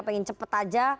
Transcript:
pengen cepet aja